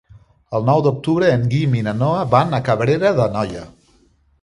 El nou d'octubre en Guim i na Noa van a Cabrera d'Anoia.